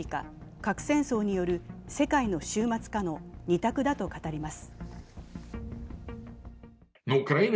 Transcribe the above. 核戦争による世界の終末かの二択だと語ります。